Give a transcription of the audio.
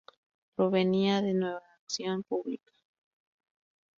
Provenía de Nueva Acción Pública.